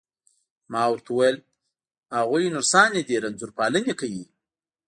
ما ورته وویل: هغوی نرسانې دي، رنځور پالني کوي.